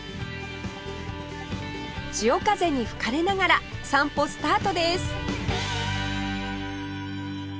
潮風に吹かれながら散歩スタートです